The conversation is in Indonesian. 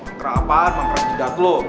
makrak apaan makrak tidak lo